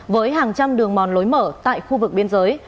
với hàng trăm đường mòn lối mở tại khu vực biên giới